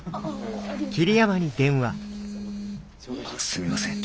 すみません